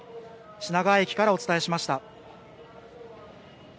品川駅からお伝えしました。